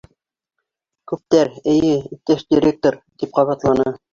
Күптәр, эйе, иптәш директор, тип ҡабатланы.